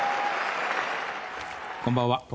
こんばんは。